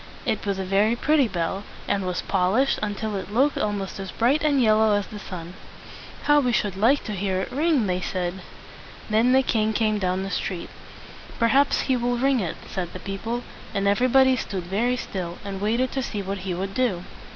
It was a very pretty bell, and was, pol ished until it looked almost as bright and yellow as the sun. "How we should like to hear it ring!" they said. Then the king came down the street. "Perhaps he will ring it," said the people; and everybody stood very still, and waited to see what he would do.